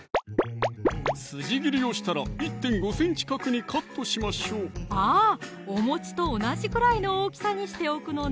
筋切りをしたら１．５ｃｍ角にカットしましょうあぁおと同じくらいの大きさにしておくのね